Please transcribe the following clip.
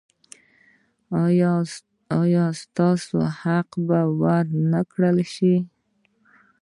ایا ستاسو حق به ور نه کړل شي؟